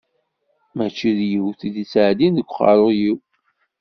Mačči d yiwet i d-ittɛeddin deg uqerru-yiw.